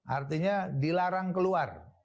artinya dilarang keluar